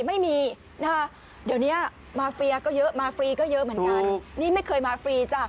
ไม่มีนะคะเดี๋ยวเนี้ยมาเฟียก็เยอะมาฟรีก็เยอะเหมือนกันนี่ไม่เคยมาฟรีจ้ะ